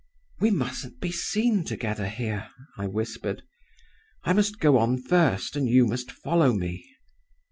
'We mustn't be seen together here,' I whispered. 'I must go on first, and you must follow me.